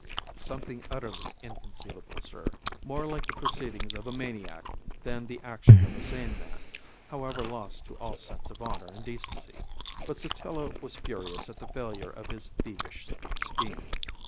Something utterly inconceivable, sir; more like the proceedings of a maniac than the action of a sane man, however lost to all sense of honour and decency. But Sotillo was furious at the failure of his thievish scheme."